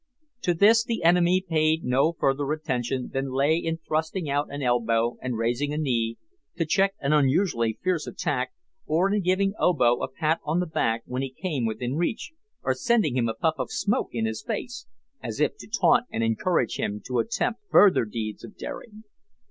To this the enemy paid no further attention than lay in thrusting out an elbow and raising a knee, to check an unusually fierce attack, or in giving Obo a pat on the back when he came within reach, or sending a puff of smoke in his face, as if to taunt and encourage him to attempt further deeds of daring.